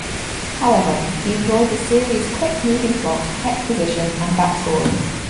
However, he enjoyed the series' quick-moving plot, exposition, and backstory.